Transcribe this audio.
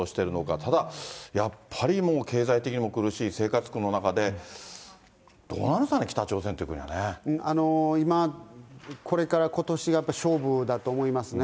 ただ、やっぱりもう経済的にも苦しい、生活苦の中で、どうなんで今、これからことしが勝負だと思いますね。